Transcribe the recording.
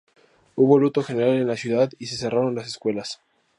Hubo luto general en la ciudad y se cerraron las escuelas.